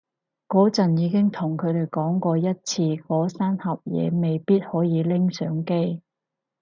嗰陣已經同佢哋講過一次嗰三盒嘢未必可以拎上機